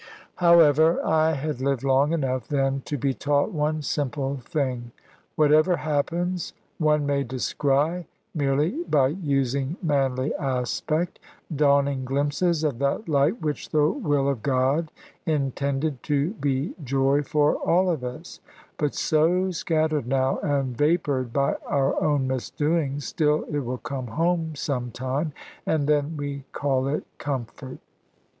However, I had lived long enough then to be taught one simple thing. Whatever happens, one may descry (merely by using manly aspect) dawning glimpses of that light which the will of God intended to be joy for all of us; but so scattered now and vapoured by our own misdoings, still it will come home some time, and then we call it "comfort."